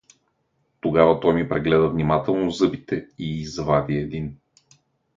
Тогава той ми прегледа внимателно зъбите и извади един.